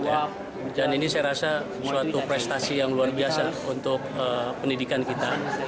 dan ini saya rasa suatu prestasi yang luar biasa untuk pendidikan kita